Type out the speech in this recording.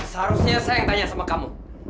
seharusnya saya yang tanya sama kamu